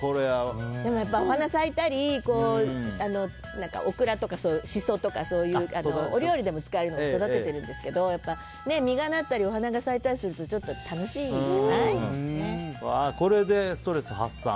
でも、お花が咲いたりオクラとかシソとかそういうお料理でも使えるのを育てているんですけど実がなったりお花が咲いたりするとこれでストレス発散。